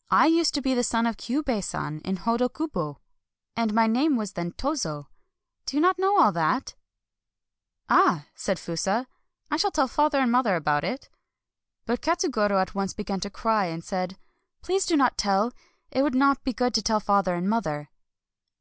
" I used to be the son of Kyubei San of Hodo kubo, and my name was then Tozo — do you not know all that ?"" Ah !" said Fusa, " I shall tell father and mother about it." But Katsugoro at once began to cry, and said :—" Please do not tell !— it would not be good to tell father and mother."